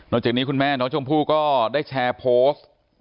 จากนี้คุณแม่น้องชมพู่ก็ได้แชร์โพสต์